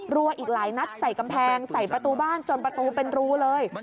รัวอีกหลายนัดใส่กำแพงใส่ประตูบ้านจนประตูเป็นรูเลย